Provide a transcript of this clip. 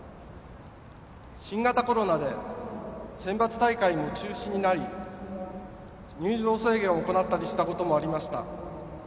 新型コロナでセンバツ大会も中止になり入場制限を行ったりしたこともありました。